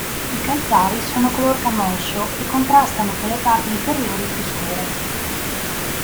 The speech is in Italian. I calzari sono color camoscio e contrastano con le parti inferiori più scure.